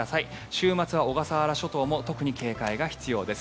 週末は小笠原諸島も特に警戒が必要です。